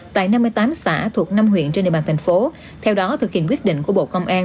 tại năm mươi tám xã thuộc năm huyện trên địa bàn thành phố theo đó thực hiện quyết định của bộ công an